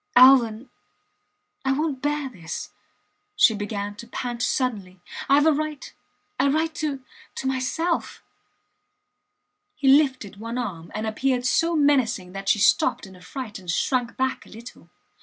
Alvan ... I wont bear this ... She began to pant suddenly, Ive a right a right to to myself ... He lifted one arm, and appeared so menacing that she stopped in a fright and shrank back a little.